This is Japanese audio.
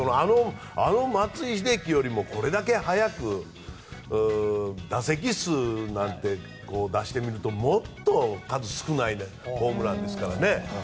あの松井秀喜よりもこれだけ早く打席数なんて出してみると、もっと数少ないホームランですからね。